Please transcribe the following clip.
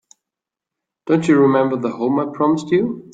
Don't you remember the home I promised you?